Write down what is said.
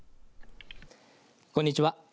こんにちは。